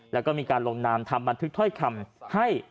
แล้วก็มีการลงนามทำบันทึกถ้อยคำให้